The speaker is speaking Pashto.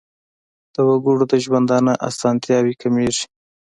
د وګړو د ژوندانه اسانتیاوې کمیږي.